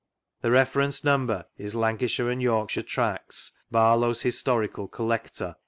(The Reference number is " Lancashire and York shire Tracts; Barlow's Historical Collector.